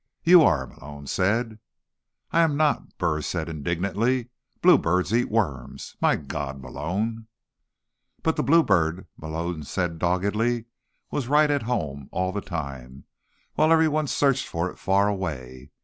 "You are," Malone said. "I am not," Burris said indignantly. "Bluebirds eat worms. My God, Malone." "But the Bluebird," Malone said doggedly, "was right at home all the time, while everyone searched for it far away.